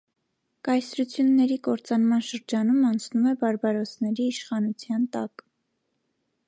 Կայսրությունների կործանման շրջանում անցնում է բարբարոսների իշխանության տակ։